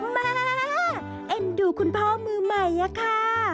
แม่เอ็นดูคุณพ่อมือใหม่อะค่ะ